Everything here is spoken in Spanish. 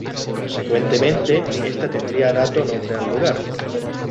Consecuentemente, esta tendría dato nombre al lugar.